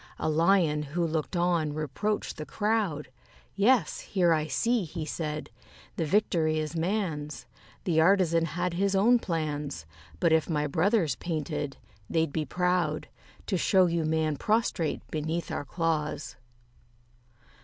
A Lion who looked on reproached the crowd: "Yes, here I see," he said, "the victory is man's: The artisan had his own plans; But if my brothers painted, they'd be proud To show you man prostrate beneath our claws."